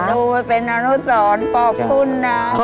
ดูมาเป็นนอนุสรขอบคุณนะครับ